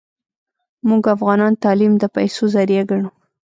موږ افغانان تعلیم د پیسو ذریعه ګڼو